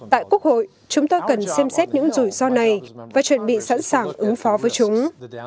tại quốc hội chúng ta cần xem xét những rủi ro này và chuẩn bị sẵn sàng ứng phó với chúng